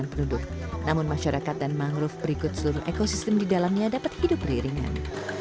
namun masyarakat dan mangrove berikut seluruh ekosistem di dalamnya dapat hidup riringan